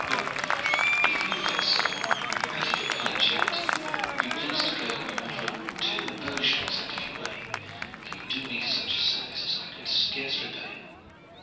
But if you, fair sir, out of your kind charity would be pleased to go a matter of two bow shots out of your way, you would do me such a service as I could scarce repay."